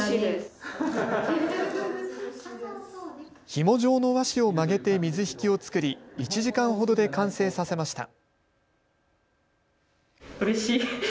ひも状の和紙を曲げて水引を作り１時間ほどで完成させました。